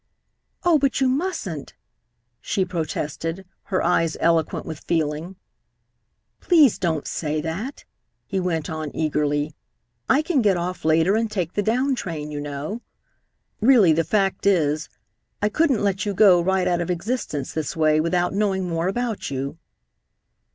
"Oh, but you mustn't!" she protested, her eyes eloquent with feeling. "Please don't say that," he went on eagerly. "I can get off later and take the down train, you know. Really, the fact is, I couldn't let you go right out of existence this way without knowing more about you."